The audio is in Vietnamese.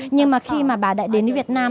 nhưng mà khi mà bà đã đến việt nam